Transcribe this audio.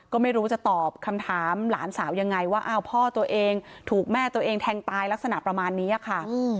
ก็ไม่รู้จะตอบคำถามหลานสาวยังไงว่าอ้าวพ่อตัวเองถูกแม่ตัวเองแทงตายลักษณะประมาณนี้ค่ะ